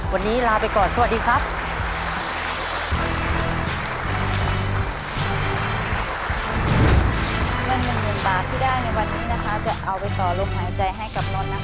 วันนี้ลาไปก่อนสวัสดีครับ